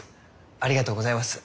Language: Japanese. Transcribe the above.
ありがとうございます。